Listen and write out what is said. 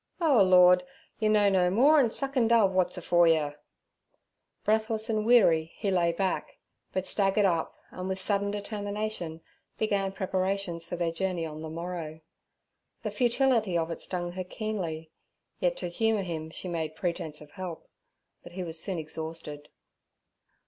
'O Lord! yer know no more'n suckin' dove w'at's afore yer.' Breathless and weary, he lay back, but staggered up, and with sudden determination began preparations for their journey on the morrow. The futility of it stung her keenly, yet to humour him she made pretence of help; but he was soon exhausted.